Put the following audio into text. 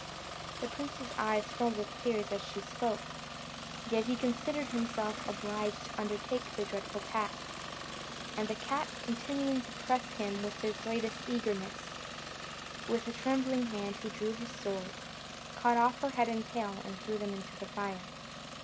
The prince's eyes filled with tears as she spoke, yet he considered himself obliged to undertake the dreadful task; and the cat continuing to press him with the greatest eagerness, with a trembling hand he drew his sword, cut off her head and tail, and threw them into the fire.